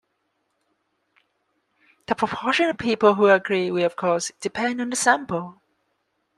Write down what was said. The proportion of people who agree will of course depend on the sample.